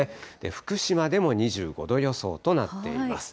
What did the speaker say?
福島でも２５度予想となっています。